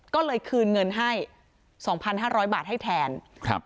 ก็เลยคืนเงินให้สองพันห้าร้อยบาทให้แทนครับ